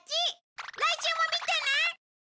来週も見てね！